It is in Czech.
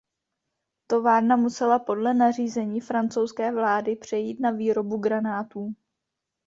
Továrna musela podle nařízení francouzské vlády přejít na výrobu granátů.